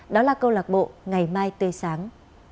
đó là câu lạc bộ ngày mai tươi sáng